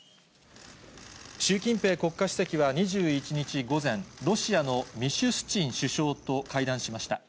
習近平国家主席は２１日午前、ロシアのミシュスチン首相と会談しました。